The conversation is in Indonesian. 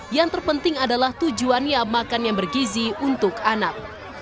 yang terpenting adalah tujuannya makan yang bergizi untuk anak